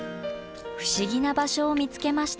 不思議な場所を見つけました。